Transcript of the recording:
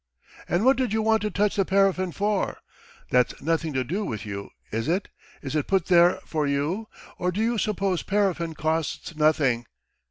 "And what did you want to touch the paraffin for? That's nothing to do with you, is it? Is it put there for you? Or do you suppose paraffin costs nothing?